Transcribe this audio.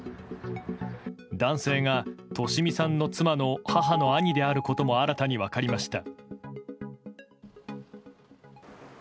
男性が利美さんの妻の母の兄であることも新たに分かりました。